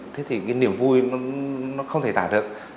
thế thì cái niềm vui nó không thể tả được